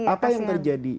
apa yang terjadi